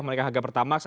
mereka harga pertamax